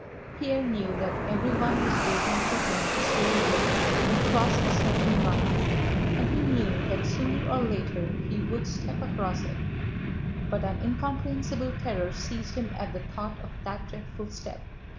Pierre knew that everyone was waiting for him to say a word and cross a certain line, and he knew that sooner or later he would step across it, but an incomprehensible terror seized him at the thought of that dreadful step.